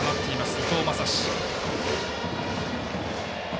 伊藤将司。